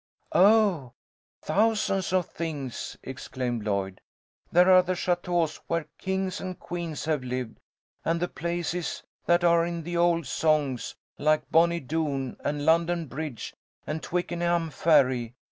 "Oh, thousands of things!" exclaimed Lloyd. "There are the châteaux where kings and queens have lived, and the places that are in the old songs, like Bonnie Doon, and London Bridge, and Twickenham Ferry.